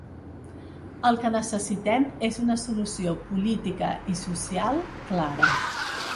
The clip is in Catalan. El que necessitem és una solució política i social clara.